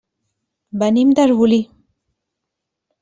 Venim d'Arbolí.